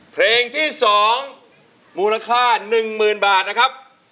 เพลงที่๒มูลค่า๑๐๐๐บาทนะครับ